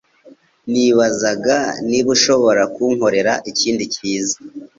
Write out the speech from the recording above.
Nibazaga niba ushobora kunkorera ikindi cyiza